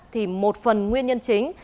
thì một phần nguyên nhân chính